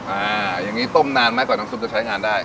อย่างนี้ต้มนานไหมกว่าน้ำซุปจะใช้งานได้